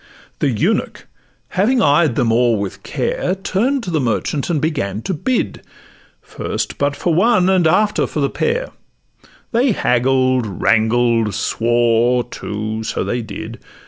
The eunuch, having eyed them o'er with care, Turn'd to the merchant, and begun to bid First but for one, and after for the pair; They haggled, wrangled, swore, too—so they did!